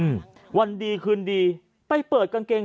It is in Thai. ชาวบ้านญาติโปรดแค้นไปดูภาพบรรยากาศขณะ